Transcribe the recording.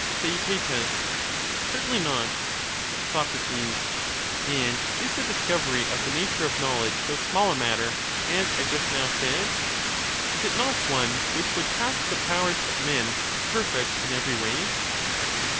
Theaet Certainly not. Soc. And is the discovery of the nature of knowledge so small a matter, as I just now said ? Is it not one which would task the powers of men perfect in every way